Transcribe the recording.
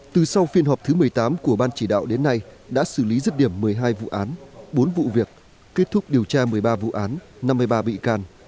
từ sau phiên họp thứ một mươi tám của ban chỉ đạo đến nay đã xử lý rứt điểm một mươi hai vụ án bốn vụ việc kết thúc điều tra một mươi ba vụ án năm mươi ba bị can